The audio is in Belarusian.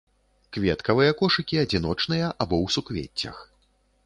Кветкавыя кошыкі адзіночныя або ў суквеццях.